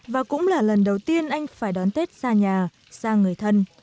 và cũng là lần đầu tiên anh phải đón tết xa nhà xa người thân